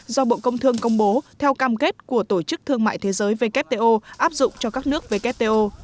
do bộ công thương công bố theo cam kết của tổ chức thương mại thế giới wto áp dụng cho các nước wto